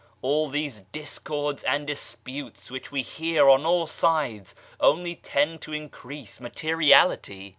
All these discords and disputes which we hear on all sides only tend to increase mate riality.